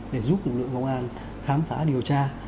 để giúp lực lượng công an khám phá điều tra